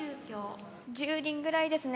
１０人ぐらいですね。